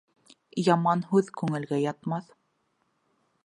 Яман һүҙ күңелгә ятмаҫ.